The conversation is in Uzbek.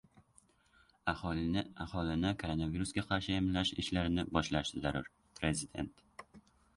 Aholini koronavirusga qarshi emlash ishlarini boshlash zarur — Prezident